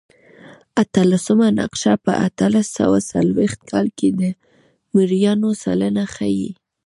اتلسمه نقشه په اتلس سوه څلوېښت کال کې د مریانو سلنه ښيي.